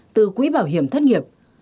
từ quỹ bảo hiểm thất nghiệp